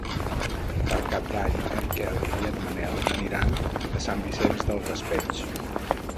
Per Cap d'Any en Quel i en Manel aniran a Sant Vicent del Raspeig.